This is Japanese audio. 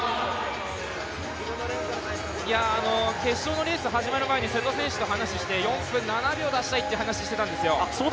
決勝のレース始まる前に瀬戸選手と話をして４分７秒出したいっていう話をしてたんですよ。